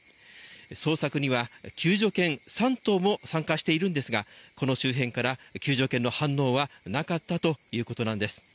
捜索には救助犬３頭も参加しているんですがこの周辺から救助犬の反応はなかったということなんです。